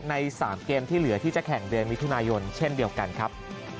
ใน๓เกมที่เหลือที่จะแข่งเดือนมิถุนายนเช่นเดียวกันครับ